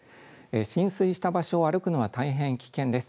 浸水した場所を歩くのは大変危険です。